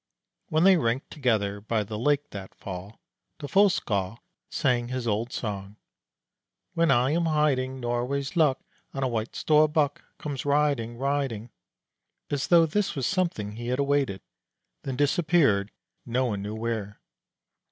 When they ranked together by the lake that fall, the Fossekal sang his old song: When I am hiding Norway's luck On a White Storbuk Comes riding, riding, as though this was something he had awaited, then disappeared no one knew where.